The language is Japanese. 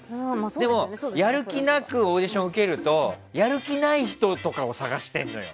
でも、やる気なくオーディション受けるとやる気ない人とかを探してんのよ。